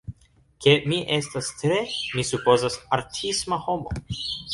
ke mi estas tre, mi supozas, artisma homo